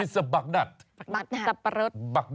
สับประโรส